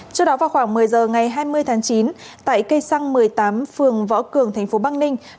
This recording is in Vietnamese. trước đó vào khoảng một mươi giờ ngày hai mươi tháng chín tại cây xăng một mươi tám phường võ cường thành phố bắc ninh